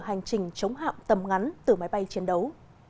hành trình chống hạm tầm ngắn từ máy bay chiến đấu